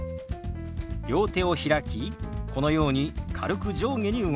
両手を開きこのように軽く上下に動かします。